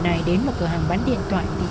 đây là những cái bana mang lễ đá streetress